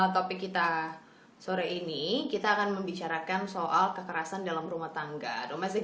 topik kita sore ini kita akan membicarakan soal kekerasan dalam rumah tangga domestik